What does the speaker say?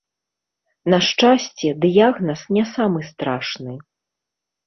На шчасце, дыягназ не самы страшны.